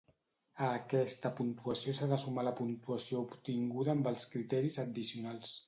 A aquesta puntuació s'ha de sumar la puntuació obtinguda amb els criteris addicionals.